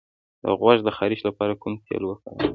د غوږ د خارش لپاره کوم تېل وکاروم؟